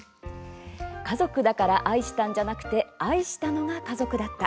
「家族だから愛したんじゃなくて、愛したのが家族だった」。